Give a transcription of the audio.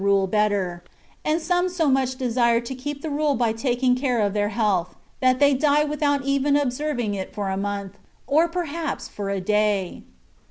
51 rule, the better ; and some so much desire to keep the rule by taking care of their health, that they die without even observing it for a month, or per haps for a day